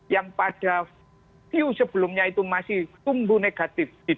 yang pada view sebelumnya itu masih tumbuh negatif di dua dua puluh dua